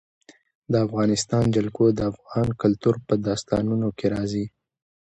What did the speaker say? د افغانستان جلکو د افغان کلتور په داستانونو کې راځي.